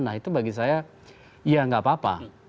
nah itu bagi saya ya nggak apa apa